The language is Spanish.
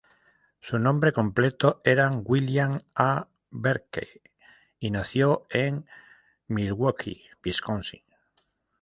Su nombre completo era William A. Berke, y nació en Milwaukee, Wisconsin.